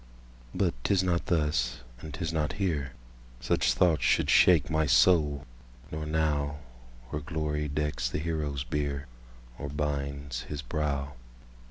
But 'tis not thus—and 'tis not here—Such thoughts should shake my soul, nor now, Where glory decks the hero's bier, Or binds his brow.